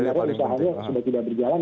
itu sudah tidak berjalan